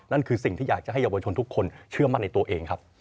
นั่นคือสิ่งที่อยากจะให้เยาวชนทุกคนเชื่อมั่นในตัวเองครับ